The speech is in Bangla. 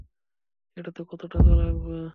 এটাতে কত টাকা লাগবে?